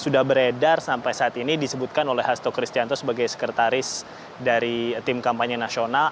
sudah beredar sampai saat ini disebutkan oleh hasto kristianto sebagai sekretaris dari tim kampanye nasional